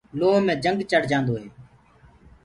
لوه مي جنگ چڙهجآدو هي۔